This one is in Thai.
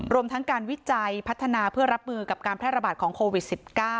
รวมทั้งการวิจัยพัฒนาเพื่อรับมือกับการแพร่ระบาดของโควิด๑๙